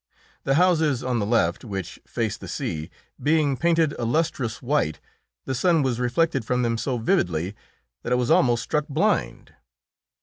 The houses on the left, which faced the sea, being painted a lustrous white, the sun was reflected from them so vividly that I was almost struck blind.